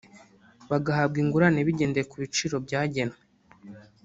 bagahabwa ingurane bigendeye ku biciro byagenwe